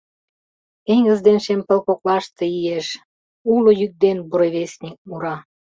Теҥыз ден шем пыл коклаште иеш Уло йӱк ден буревестник мура